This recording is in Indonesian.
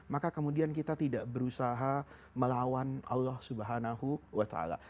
maka kemudian kita tidak berusaha melawan allah subhanahu wa ta'ala